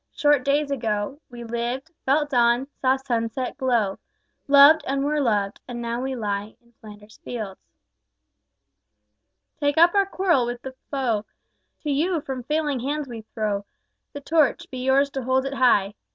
Short days ago We lived, felt dawn, saw sunset glow, Loved, and were loved, and now we lie In Flanders fields. Take up our quarrel with the foe: To you from failing hands we throw The Torch: be yours to hold it high!